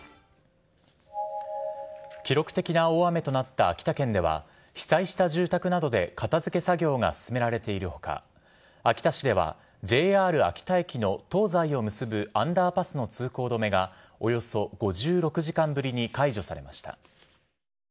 記録的な大雨となった秋田県では、被災した住宅などで片づけ作業が進められているほか、秋田市では、ＪＲ秋田駅の東西を結ぶアンダーパスの通行止めが、およそ５６時間ぶりに解除されました。